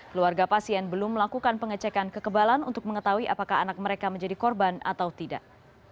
keluarga pasien belum melakukan pengecekan kekebalan untuk mengetahui apakah anak mereka menjadi korban atau tidak